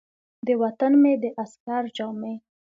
د وطن مې د عسکر جامې ،